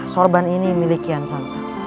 sorban ini milik kian santa